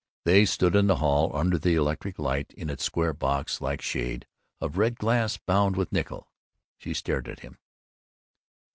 They stood in the hall, under the electric light in its square box like shade of red glass bound with nickel. She stared at him.